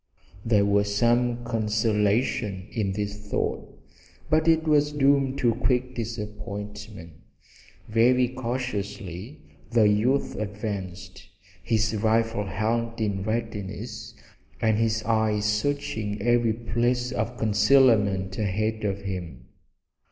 There was some consolation in this thought, but it was doomed to quick disappointment. Very cautiously the youth advanced, his rifle held in readiness and his eyes searching every place of concealment ahead of him.